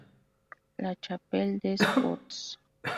La Chapelle-des-Pots